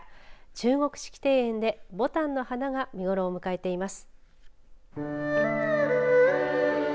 中国式庭園で、ぼたんの花が見頃を迎えています。